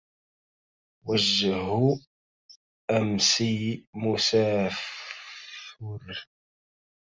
وجهُ أمسي مسافٌر